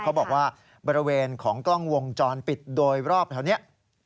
เขาบอกว่าบริเวณของกล้องวงจรปิดโดยรอบแถวนี้